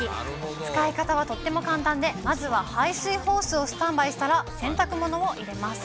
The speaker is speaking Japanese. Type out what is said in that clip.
使い方はとっても簡単で、まずは排水ホースをスタンバイしたら、洗濯物を入れます。